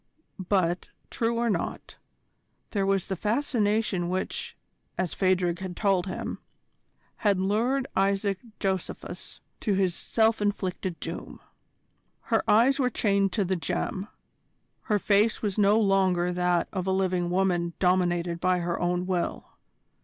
But, true or not, there was the fascination which, as Phadrig had told him, had lured Isaac Josephus to his self inflicted doom. Her eyes were chained to the gem: her face was no longer that of a living woman dominated by her own will.